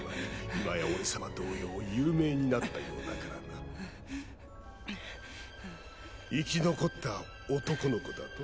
今や俺様同様有名になったようだからな生き残った男の子だと？